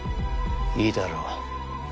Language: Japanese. いいだろう。